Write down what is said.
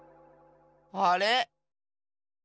あれ？